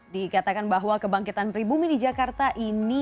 dikatakan bahwa kebangkitan pribumi di jakarta ini